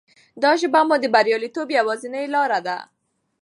دا ژبه مو د بریالیتوب یوازینۍ لاره ده.